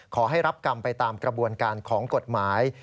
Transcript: ขอให้รับกรรมไปตามกระบวนการของกฎหมาย